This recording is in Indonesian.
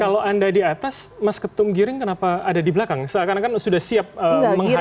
kalau anda di atas mas ketum giring kenapa ada di belakang seakan akan sudah siap menghadapi